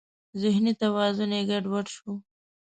ذهني توازن یې ګډ وډ شو.